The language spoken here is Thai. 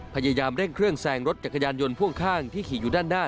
พยายามเร่งเครื่องแซงรถจักรยานยนต์พ่วงข้างที่ขี่อยู่ด้านหน้า